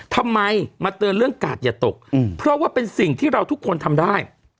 ทำไมมาเตือนเรื่องกาดอย่าตกเพราะว่าเป็นสิ่งที่เราทุกคนทำได้